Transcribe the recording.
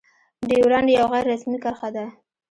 ډيورنډ يو غير رسمي کرښه ده.